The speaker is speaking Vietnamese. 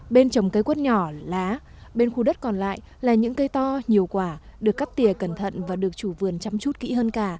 bên trồng cây quất nhỏ lá bên khu đất còn lại là những cây to nhiều quả được cắt tỉa cẩn thận và được chủ vườn chăm chút kỹ hơn cả